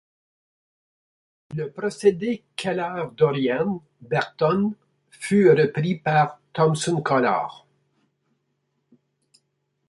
Le procédé Keller-Dorian Berthon fut repris par Thomsoncolor.